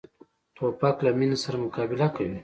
توپک له مینې سره مقابله کوي.